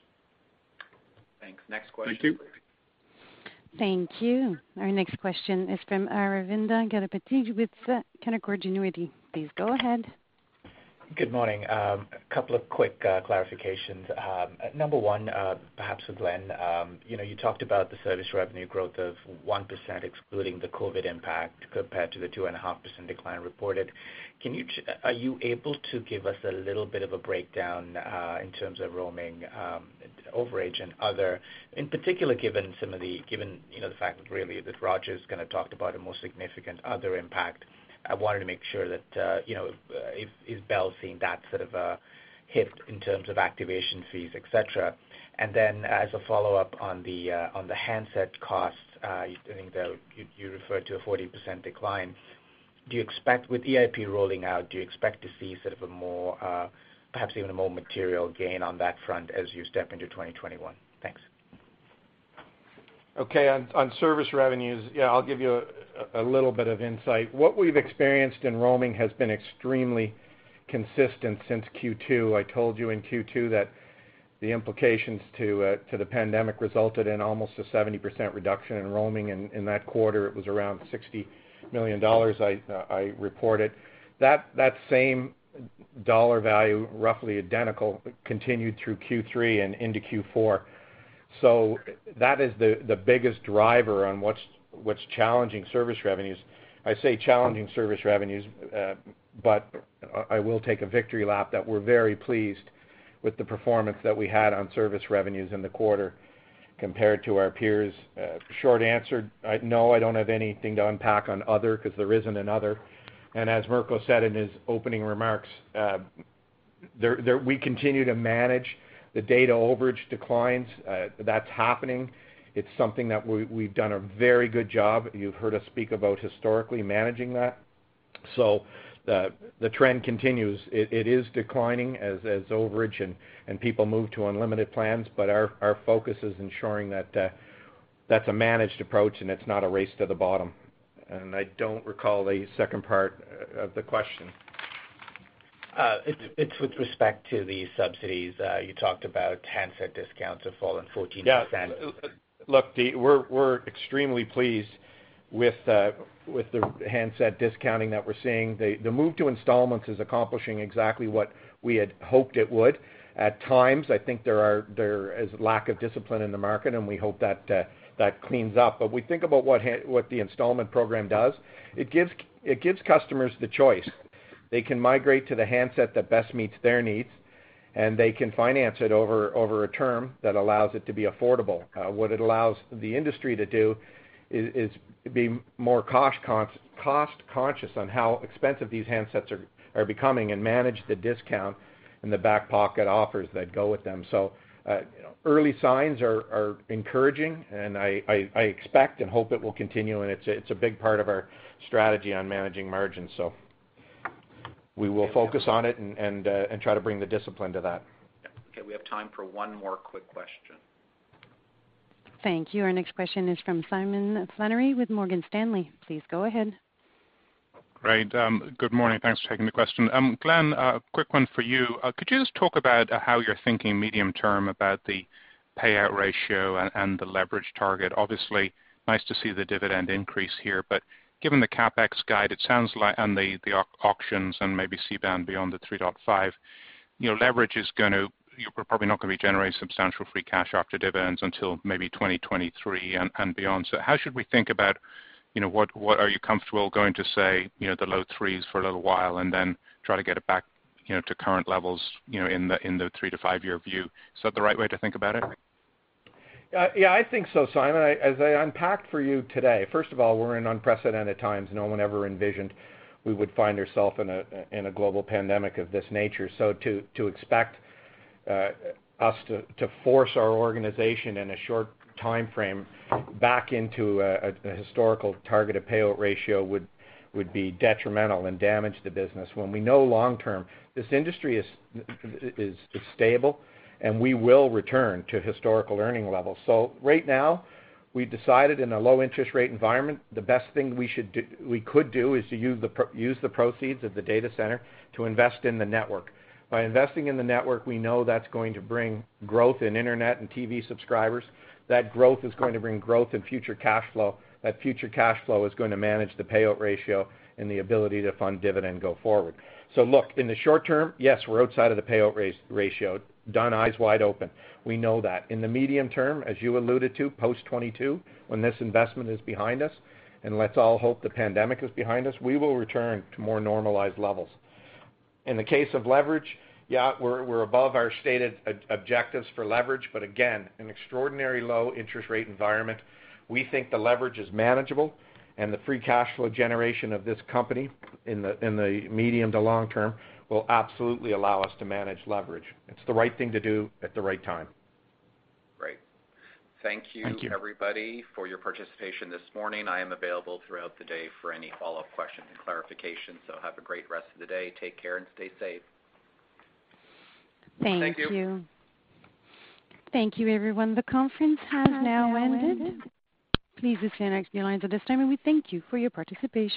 Thanks. Next question. Thank you. Thank you. Our next question is from Aravinda Galappatthige with Canaccord Genuity, please go ahead. Good morning. A couple of quick clarifications. Number one, perhaps with Glen, you talked about the service revenue growth of 1% excluding the COVID impact compared to the 2.5% decline reported. Are you able to give us a little bit of a breakdown in terms of roaming, overage, and other, in particular, given the fact that really that Rogers kind of talked about a more significant other impact, I wanted to make sure that is Bell seeing that sort of a hit in terms of activation fees, etc.? As a follow-up on the handset costs, I think you referred to a 40% decline. With EIP rolling out, do you expect to see sort of a more, perhaps even a more material gain on that front as you step into 2021? Thanks. Okay. On service revenues, yeah, I'll give you a little bit of insight. What we've experienced in roaming has been extremely consistent since Q2. I told you in Q2 that the implications to the pandemic resulted in almost a 70% reduction in roaming. In that quarter, it was around 60 million dollars, I reported. That same dollar value, roughly identical, continued through Q3 and into Q4. That is the biggest driver on what's challenging service revenues. I say challenging service revenues, but I will take a victory lap that we're very pleased with the performance that we had on service revenues in the quarter compared to our peers. Short answer, no, I don't have anything to unpack on other because there isn't another. As Mirko said in his opening remarks, we continue to manage the data overage declines. That's happening. It's something that we've done a very good job. You've heard us speak about historically managing that. The trend continues. It is declining as overage and people move to unlimited plans, but our focus is ensuring that that's a managed approach and it's not a race to the bottom. I don't recall the second part of the question. It's with respect to the subsidies. You talked about handset discounts have fallen 14%. Yeah. Look, we're extremely pleased with the handset discounting that we're seeing. The move to installments is accomplishing exactly what we had hoped it would. At times, I think there is a lack of discipline in the market, and we hope that cleans up. We think about what the installment program does. It gives customers the choice. They can migrate to the handset that best meets their needs, and they can finance it over a term that allows it to be affordable. What it allows the industry to do is be more cost-conscious on how expensive these handsets are becoming and manage the discount and the back pocket offers that go with them. Early signs are encouraging, and I expect and hope it will continue, and it's a big part of our strategy on managing margins. We will focus on it and try to bring the discipline to that. Okay. We have time for one more quick question. Thank you. Our next question is from Simon Flannery with Morgan Stanley. Please go ahead. Great. Good morning. Thanks for taking the question. Glen, quick one for you. Could you just talk about how you're thinking medium term about the payout ratio and the leverage target? Obviously, nice to see the dividend increase here, but given the CapEx guide, it sounds like on the auctions and maybe C-band beyond the 3.5, leverage is probably not going to be generating substantial free cash after dividends until maybe 2023 and beyond. How should we think about what are you comfortable going to say the low threes for a little while and then try to get it back to current levels in the three to five-year view? Is that the right way to think about it? Yeah. I think so, Simon. As I unpacked for you today, first of all, we're in unprecedented times. No one ever envisioned we would find ourself in a global pandemic of this nature. To expect us to force our organization in a short time frame back into a historical targeted payout ratio would be detrimental and damage the business when we know long-term this industry is stable and we will return to historical earning levels. Right now, we decided in a low-interest rate environment, the best thing we could do is to use the proceeds of the data center to invest in the network. By investing in the network, we know that's going to bring growth in internet and TV subscribers. That growth is going to bring growth in future cash flow. That future cash flow is going to manage the payout ratio and the ability to fund dividend go forward. Look, in the short term, yes, we're outside of the payout ratio. Done eyes wide open. We know that. In the medium term, as you alluded to, post 2022, when this investment is behind us, and let's all hope the pandemic is behind us, we will return to more normalized levels. In the case of leverage, yeah, we're above our stated objectives for leverage, but again, an extraordinary low-interest rate environment. We think the leverage is manageable, and the free cash flow generation of this company in the medium to long term will absolutely allow us to manage leverage. It's the right thing to do at the right time. Great. Thank you, everybody, for your participation this morning. I am available throughout the day for any follow-up questions and clarifications, so have a great rest of the day. Take care and stay safe. Thank you. Thank you. Thank you, everyone. The conference has now ended. Please disconnect the lines at this time, and we thank you for your participation.